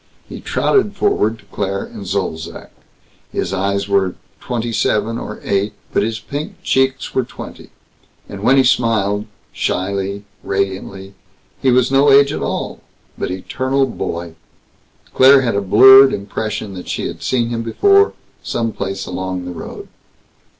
He trotted forward to Claire and Zolzac. His eyes were twenty seven or eight, but his pink cheeks were twenty, and when he smiled shyly, radiantly he was no age at all, but eternal boy. Claire had a blurred impression that she had seen him before, some place along the road.